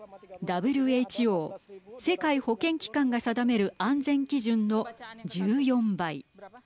ＷＨＯ＝世界保健機関が定める安全基準の１４倍。